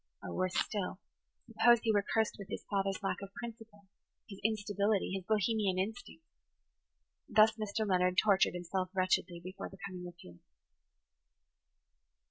Or, worse still, suppose he were cursed with his father's lack of principle, his instability, his Bohemian instincts. Thus Mr. Leonard tortured himself wretchedly before the coming of Felix.